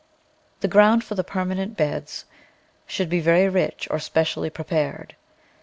The ground for the permanent beds should be very rich or specially prepared.